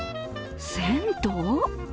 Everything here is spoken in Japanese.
銭湯？